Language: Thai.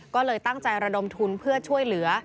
ก็เลยตั้งใจระดมทุนเพื่อช่วยเหลือ